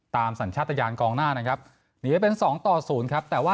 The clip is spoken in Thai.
สัญชาติยานกองหน้านะครับหนีไปเป็น๒ต่อ๐ครับแต่ว่า